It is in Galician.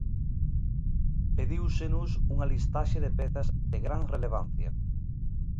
Pedíusenos unha listaxe de pezas de gran relevancia.